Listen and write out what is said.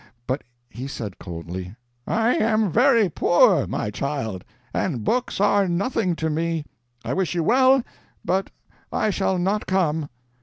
But he said coldly "I am very poor, my child, and books are nothing to me. I wish you well, but I shall not come."